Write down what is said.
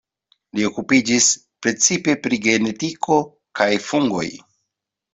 Li okupiĝis precipe pri genetiko kaj fungoj.